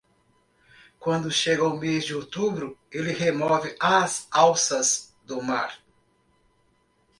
Quando chega o mês de outubro, ele remove as alças do mar.